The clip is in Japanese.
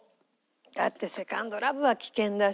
だって『セカンド・ラブ』は危険だし。